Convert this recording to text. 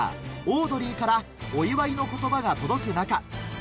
オードリーからお祝いの言葉が届く中